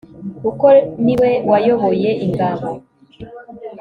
Kuro ni we wayoboye ingabo